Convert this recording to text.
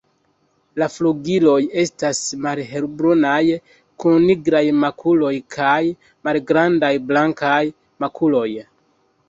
La flugiloj estas malhelbrunaj kun nigraj makuloj kaj malgrandaj blankaj makuloj.